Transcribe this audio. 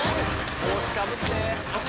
帽子かぶって。